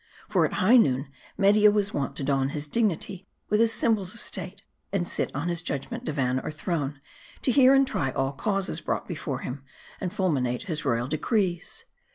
For at high noon, Media was wont to don his dignity with his symbols of state ; and sit on Hs judgment divan or throne, to hear and try all causes brought before him, and fulminate his royal decrees.